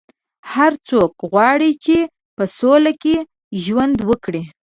هر څوک غواړي چې په سوله کې ژوند وکړي.